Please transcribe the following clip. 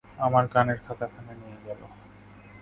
আমার গানের খাতাখানা নিয়ে গেল!